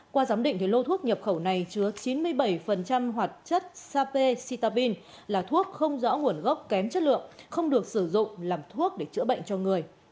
qua giám định lô thuốc nhập khẩu này chứa chín mươi bảy hoạt chất sapitabin là thuốc không rõ nguồn gốc kém chất lượng không được sử dụng làm thuốc để chữa bệnh cho người